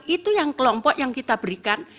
itu yang kelompok yang kita berikan